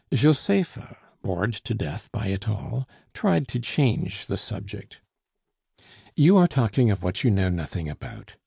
Josepha, bored to death by it all, tried to change the subject. "You are talking of what you know nothing about.